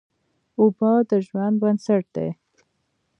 اوبه د ژوند بنسټ دي.